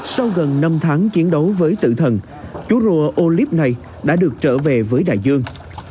sau gần năm tháng chiến đấu với tự thần chú rùa ô liếp này đã được trở về với đại dương